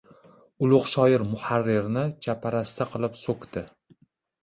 Ulug‘ shoir muharrirni chaparasta qilib so‘kdi.